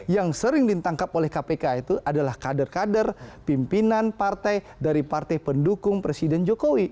yang sering ditangkap oleh kpk itu adalah kader kader pimpinan partai dari partai pendukung presiden jokowi